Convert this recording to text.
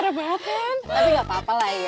tapi gapapa lah ya